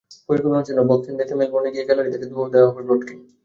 পরিকল্পনা ছিল বক্সিং ডেতে মেলবোর্নে গিয়ে গ্যালারি থেকে দুয়ো দেওয়া হবে ব্রডকে।